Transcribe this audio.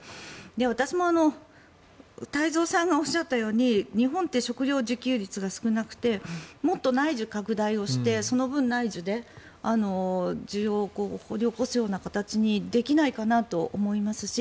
私も太蔵さんがおっしゃったように日本って食料自給率が少なくてもっと内需拡大をしてその分、内需で需要を掘り起こすような形にできないかなと思いますし